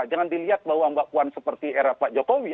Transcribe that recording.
jangan dilihat bahwa mbak puan seperti era pak jokowi